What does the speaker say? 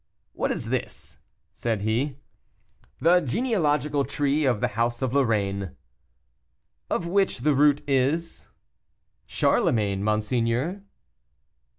"What is this?" said he. "The genealogical tree of the house of Lorraine." "Of which the root is?" "Charlemagne, monseigneur."